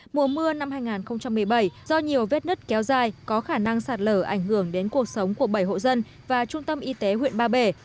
mùa mưa năm hai nghìn một mươi bảy do nhiều vết nứt kéo dài có khả năng sạt lở ảnh hưởng đến cuộc sống của bảy hộ dân và trung tâm y tế huyện ba bể